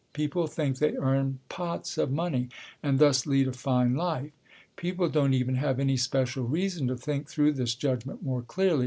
People think they earn pots of money and thus lead a fine life. People don't even have any special reason to think through this judgment more clearly.